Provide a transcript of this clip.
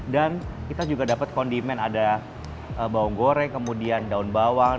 dan kita juga dapat kondimen ada bawang goreng kemudian daun bawang